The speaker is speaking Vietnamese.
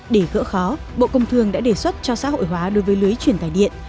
để gỡ khó bộ công thương đã đề xuất cho xã hội hóa đối với lưới truyền tài điện